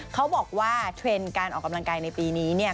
เขาบอกว่าเทรนด์การออกกำลังกายในปีนี้เนี่ย